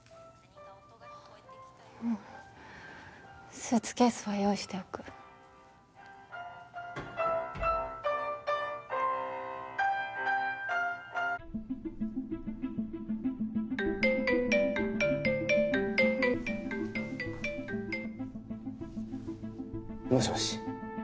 うんスーツケースは用意しておくもしもし